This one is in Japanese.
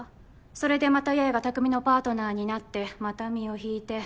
それでまた八重が匠のパートナーになってまた身を引いて。